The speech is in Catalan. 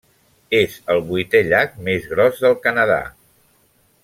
És el vuitè llac més gros del Canadà.